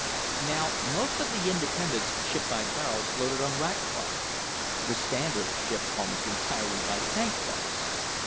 Now, most of the independents shipped by barrels loaded on rack cars. The Standard shipped almost entirely by tank cars.